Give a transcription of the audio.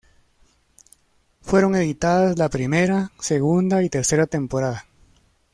Fueron editadas la primera, segunda y tercera temporada.